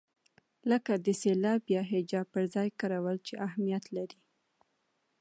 لکه د سېلاب یا هجا پر ځای کارول چې اهمیت لري.